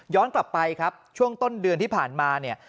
กลับไปครับช่วงต้นเดือนที่ผ่านมาเนี่ย